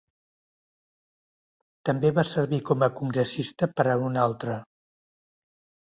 També va servir com a congressista per un altre.